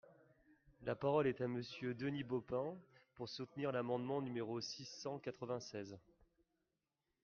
La parole est à Monsieur Denis Baupin, pour soutenir l’amendement numéro six cent quatre-vingt-seize.